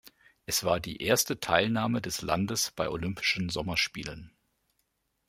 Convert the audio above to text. Es war die erste Teilnahme des Landes bei Olympischen Sommerspielen.